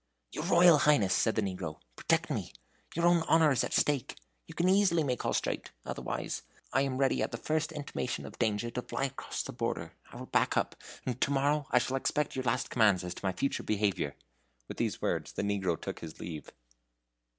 "Your Royal Highness," said the negro, "protect me. Your own honor is at stake. You can easily make all straight; otherwise, I am ready at the first intimation of danger to fly across the border. I will pack up, and to morrow I shall expect your last commands as to my future behavior." With these words the negro took his leave.